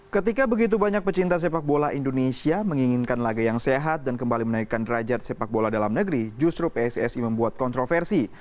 ketika begitu banyak pecinta sepak bola indonesia menginginkan laga yang sehat dan kembali menaikkan derajat sepak bola dalam negeri justru pssi membuat kontroversi